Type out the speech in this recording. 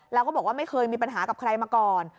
แล้วก็บอกว่าไม่เคยมีปัญหากับใครมาก่อน